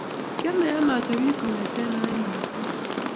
Kianai ane achipis kongete ai lakwet